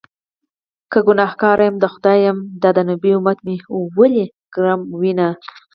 که ګنهکار يمه د خدای یم- دا د نبي امت مې ولې ګرموینه